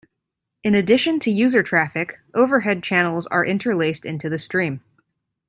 In addition to user traffic, overhead channels are interlaced into the stream.